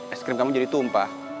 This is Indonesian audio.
es krim kami jadi tumpah